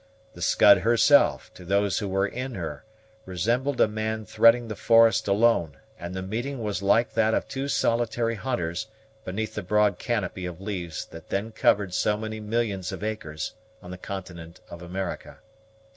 The Scud herself, to those who were in her, resembled a man threading the forest alone, and the meeting was like that of two solitary hunters beneath the broad canopy of leaves that then covered so many millions of acres on the continent of America.